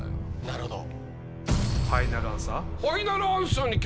なるほど。